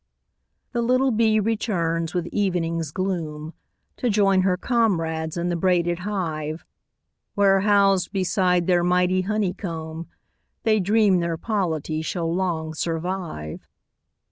The little bee returns with evening's gloom, To join her comrades in the braided hive, Where, housed beside their mighty honeycomb, They dream their polity shall long survive.